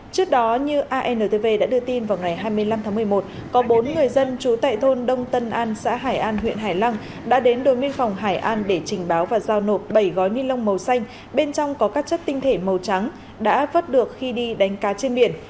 trước đó như antv đã đưa tin vào ngày hai mươi năm tháng một mươi một có bốn người dân trú tại thôn đông tân an xã hải an huyện hải lăng đã đến đồn biên phòng hải an để trình báo và giao nộp bảy gói ni lông màu xanh bên trong có các chất tinh thể màu trắng đã vớt được khi đi đánh cá trên biển